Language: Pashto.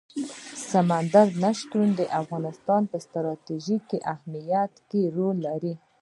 سمندر نه شتون د افغانستان په ستراتیژیک اهمیت کې رول لري.